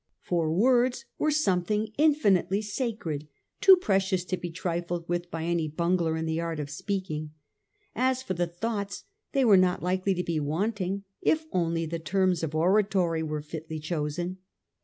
For words were something infinitely sacred, too precious to be trifled with by any bungler in the art of speaking. As for the thoughts, they were not likely to be wanting if only the terms of oratory were fitly chosen.